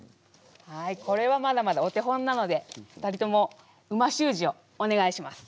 はいこれはまだまだお手本なので２人とも美味しゅう字をお願いします。